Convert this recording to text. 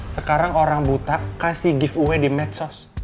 sekarang orang buta kasih giveaway di medsos